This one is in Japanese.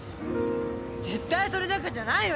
絶対それだけじゃないよ